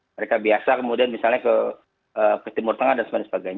mereka biasa kemudian misalnya ke timur tengah dan sebagainya